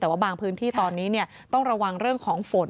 แต่ว่าบางพื้นที่ตอนนี้ต้องระวังเรื่องของฝน